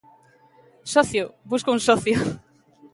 Socio, busco un socio!